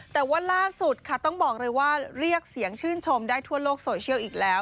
แต่ว่าล่าสุดค่ะต้องบอกเลยว่าเรียกเสียงชื่นชมได้ทั่วโลกโซเชียลอีกแล้ว